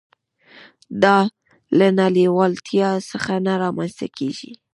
دا له نه لېوالتيا څخه نه رامنځته کېږي.